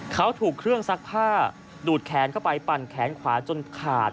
เขาถูกเครื่องซักผ้าดูดแขนเข้าไปปั่นแขนขวาจนขาด